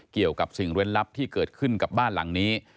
เกี่ยวกับสิ่งเล่นลับที่เกิดขึ้นกับบ้านหลังนี้